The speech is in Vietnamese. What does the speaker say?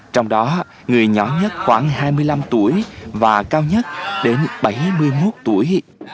trong đó người nhỏ nhất khoảng hai mươi năm tuổi và cao nhất đến bảy mươi một tuổi